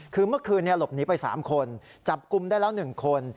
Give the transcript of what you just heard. คือเมื่อคืนหลบหนีไป๓คนจับกลุ่มได้แล้ว๑คน